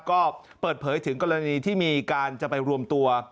ก็เปิดเผยถึงกรณีที่มีการจะไปรวมตัว